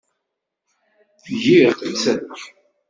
Giɣ-tt.